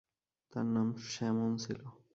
তার নাম স্যামন ছিল।